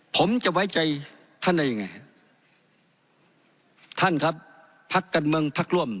ผมจะไว้ใจท่านได้ยังไงท่านครับพักการเมืองพักร่วม